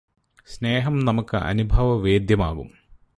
സ്നേഹം നമുക്ക് അനുഭവവേദ്യമാകും